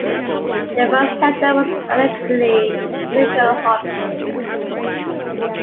The first settler was allegedly Ezekiel Hopkins.